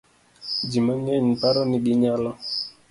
Ji mang'eny paro ni ginyalo